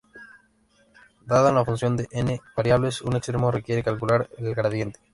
Dada una función de "n" variables, un extremo requiere calcular el gradiente.